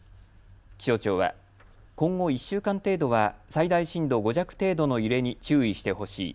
気象庁は今後１週間程度は最大震度５弱程度の揺れに注意してほしい。